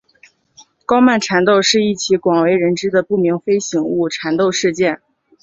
高曼缠斗是一起广为人知的不明飞行物缠斗事件。